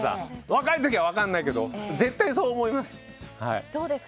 若いときは分からないけど絶対、そう思います。